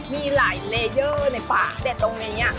มีหลายเลเยอร์ในปากเด็ดตรงนี้